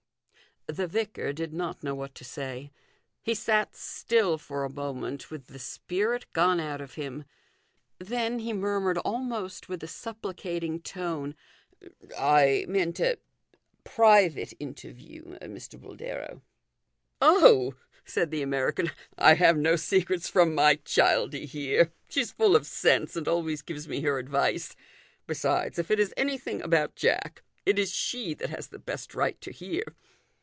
The vicar did not know what to say. He sat still for a moment with the spirit gone out of him. Then he murmured almost with a supplicating tone, " I meant a private interview, Mr. Boldero," " Oh," said the American, " I have no secrets from my Childie here. She's full of sense, and always gives me her advice. Besides, if it is anything about Jack, it is she that has the best right to hear."